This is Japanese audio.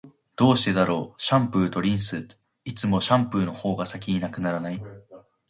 どうしてだろう、シャンプーとリンスって、いつもシャンプーの方が先に無くならない？